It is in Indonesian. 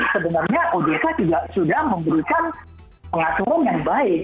sebenarnya ojk juga sudah memerlukan pengaturung yang baik